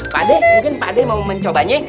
pak d mungkin pak d mau mencobanya